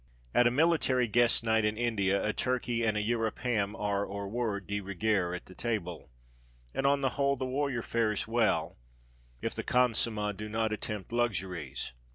At a military guest night in India, a turkey and a "Europe" ham are or were de rigueur at table; and on the whole the warrior fares well, if the khansamah do not attempt luxuries.